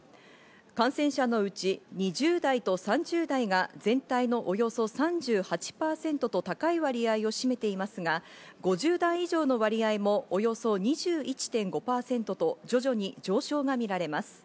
感染者のうち２０代と３０代が全体のおよそ３８％と高い割合を占めていますが、５０代以上の割合もおよそ２１．５％と徐々に上昇が見られます。